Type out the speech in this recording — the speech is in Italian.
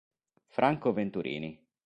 Franco Venturini